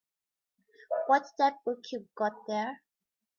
What's that book you've got there?